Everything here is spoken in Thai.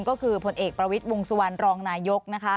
ก็คือผลเอกประวิทย์วงสุวรรณรองนายก